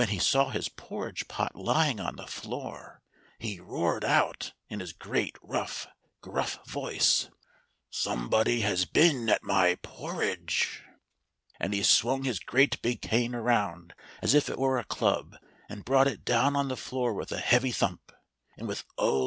he saw his porridge pot lying on the floor, he roared out in his great rough, gruff voice : "SOMEBODY HAS BEEN AT MY PORRIDGE !" FROM THEIR MORNING WALK. 115 I THE THREE BEARS. And he swung his great big cane around as if it were a club, and brought it down on the floor with a heavy thump, and with oh